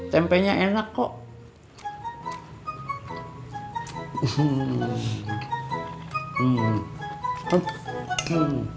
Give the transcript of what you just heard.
tempenya enak kok